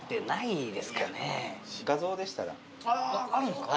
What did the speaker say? あああるんですか。